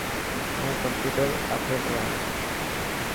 هون ڪمپيوٽر آپريٽر آن.